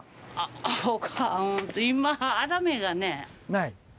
ない？